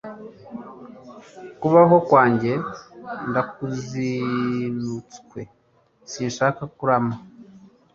Kubaho kwanjye ndakuzinutswe sinshaka kurama